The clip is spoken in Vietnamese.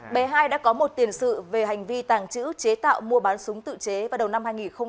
bé hai đã có một tiền sự về hành vi tàng trữ chế tạo mua bán súng tự chế vào đầu năm hai nghìn một mươi chín